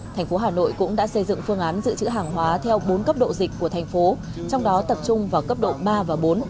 thành phố hà nội cũng đã xây dựng phương án dự trữ hàng hóa theo bốn cấp độ dịch của thành phố trong đó tập trung vào cấp độ ba và bốn